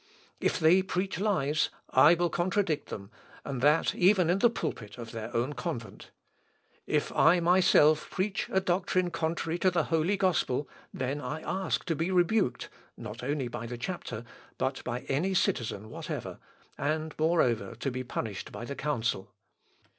If they preach lies I will contradict them, and that even in the pulpit of their own convent. If I myself preach a doctrine contrary to the Holy Gospel, then I ask to be rebuked, not only by the chapter, but by any citizen whatever, and moreover, to be punished by the Council."